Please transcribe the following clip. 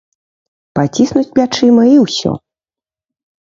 Паціснуць плячыма і ўсё.